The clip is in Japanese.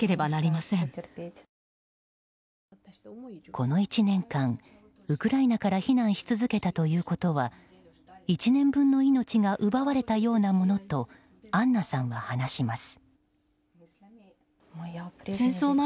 この１年間、ウクライナから避難し続けたということは１年分の命が奪われたようなものとアンナさんは話します。